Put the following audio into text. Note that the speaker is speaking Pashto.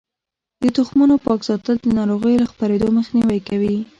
د تخمونو پاک ساتل د ناروغیو له خپریدو مخنیوی کوي.